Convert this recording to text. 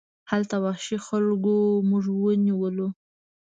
هلته وحشي خلکو موږ ونیولو.